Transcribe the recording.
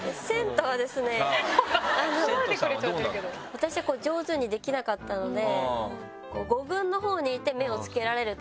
私は上手にできなかったので。